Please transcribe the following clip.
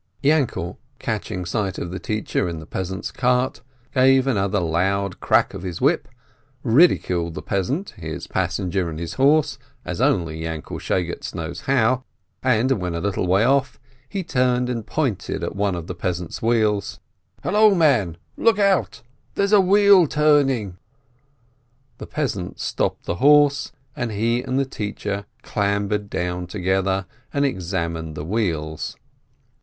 Yainkel, catching sight of the teacher in the peasant's cart, gave another loud crack with his whip, ridiculed the peasant, his passenger, and his horse, as only Yainkel Shegetz knows how, and when a little way off, he turned and pointed at one of the peasant's wheels. "Hallo, man, look out ! There's a wheel turning !" The peasant stopped the horse, and he and the teacher clambered down together, and examined the wheels.